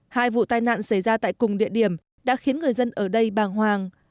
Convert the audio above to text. hai vụ tai nạn xảy ra tại cùng địa điểm đã khiến người dân ở đây bàng hoàng